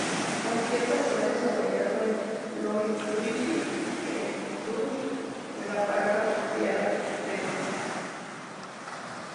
El concierto fue desarrollado en Louisville, Kentucky, en el Palace Theater.